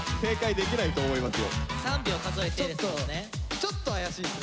ちょっと怪しいっすね。